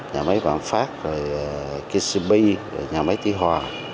nhà máy vạn phát kcb nhà máy tuy hòa